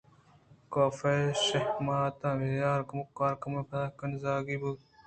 کاف ءِ شہمات ءِ بیہار ءُ کمکار کمیں پد کنزگی بوت